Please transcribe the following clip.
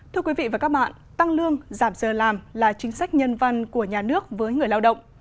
thưa quý vị và các bạn tăng lương giảm giờ làm là chính sách nhân văn của nhà nước với người lao động